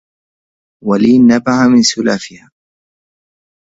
ولي النبعة من سلافها